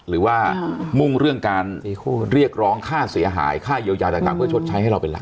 มุ่งเรื่องการเรียกร้องค่าเสียหายค่าเยียวยาต่างเพื่อชดใช้ให้เราเป็นหลัก